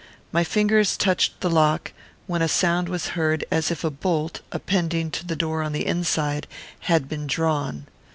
My fingers touched the lock, when a sound was heard as if a bolt, appending to the door on the inside, had been drawn.